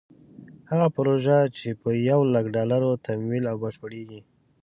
هغه پروژه چې په یو لک ډالرو تمویل او بشپړېږي.